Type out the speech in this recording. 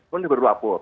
kemudian baru lapor